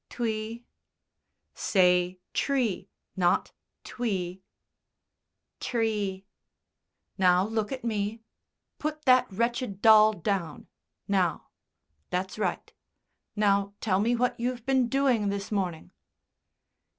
"Twee." "Say tree, not twee." "Tree." "Now look at me. Put that wretched doll down.... Now.... That's right. Now tell me what you've been doing this morning."